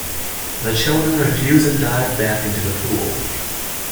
The children refuse and dive back in to the pool.